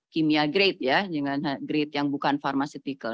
kimia grade dengan grade yang bukan pharmaceutical